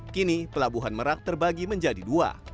kini pelabuhan merak terbagi menjadi dua